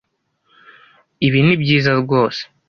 Ibi nibyiza rwose.